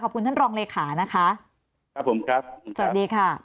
ขอบคุณท่านรองเลขานะคะครับผมครับสวัสดีค่ะ